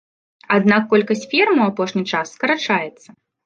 Аднак колькасць ферм у апошні час скарачаецца.